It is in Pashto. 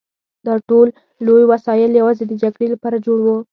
دا ټول لوی وسایل یوازې د جګړې لپاره جوړ وو